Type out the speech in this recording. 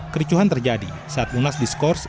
kericuhan terjadi saat munas diskors